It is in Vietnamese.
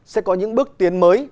sẽ có những bước tiến mới